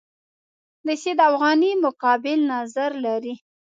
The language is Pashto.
د سید افغاني مقابل نظر لري.